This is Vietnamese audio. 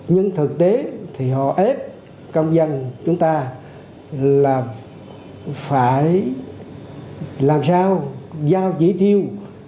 nhưng thực tế thì họ ép công dân chúng ta là phải làm sao giao chỉ tiêu